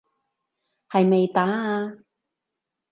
係咪打啊？